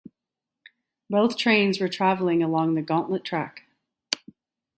Both trains were traveling along the gauntlet track.